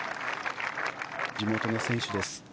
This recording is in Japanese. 地元の選手です。